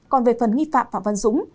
còn về phần nghi phạm phạm văn dũng